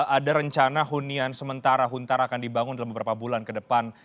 ada rencana hunian sementara huntara akan dibangun dalam beberapa bulan ke depan